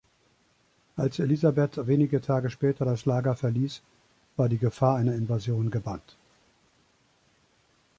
Als Elisabeth wenige Tage später das Lager verließ, war die Gefahr einer Invasion gebannt.